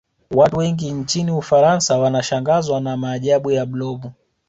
Watu wengi nchini ufaransa wanashangazwa maajabu ya blob